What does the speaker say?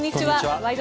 「ワイド！